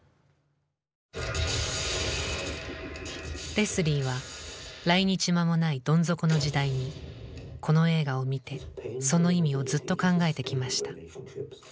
レスリーは来日間もないどん底の時代にこの映画を見てその意味をずっと考えてきました。